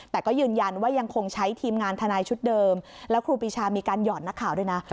แต่ก็ยืนยันว่ายังคงใช้ทีมงานทนายชุดเดิมแล้วครูปีชามีการหยอดนักข่าวด้วยนะ